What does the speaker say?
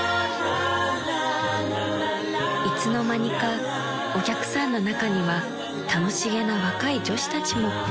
［いつの間にかお客さんの中には楽しげな若い女子たちも］